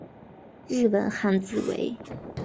日文汉字为。